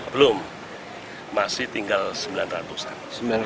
belum masih tinggal sembilan ratus an